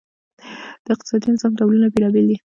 د اقتصادي نظام ډولونه بېلابیل دي.